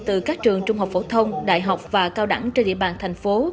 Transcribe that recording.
từ các trường trung học phổ thông đại học và cao đẳng trên địa bàn thành phố